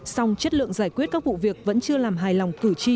song chất lượng giải quyết các vụ việc vẫn chưa làm hài lòng cử tri